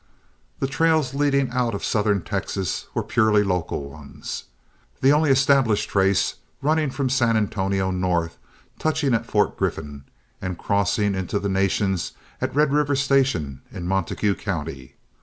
The trails leading out of southern Texas were purely local ones, the only established trace running from San Antonio north, touching at Fort Griffin, and crossing into the Nations at Red River Station in Montague County.